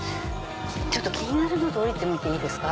ちょっと気になるので降りてみていいですか？